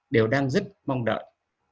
đều đang rất mong đợi